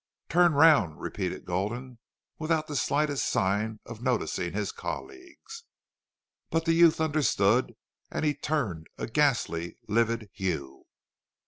"Turn round!" repeated Gulden, without the slightest sign of noticing his colleagues. But the youth understood and he turned a ghastly livid hue.